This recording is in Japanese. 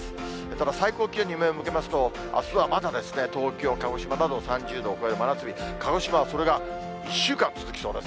ただ最高気温に目を向けますと、あすはまだですね、東京、鹿児島など、３０度を超える真夏日、鹿児島はそれが１週間続きそうです。